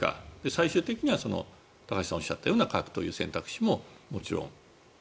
最終的には高橋さんがおっしゃったような核という選択肢ももちろん。